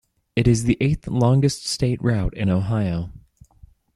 It is the eighth longest state route in Ohio.